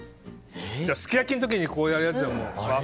すき焼きの時にこうやるやつだもん。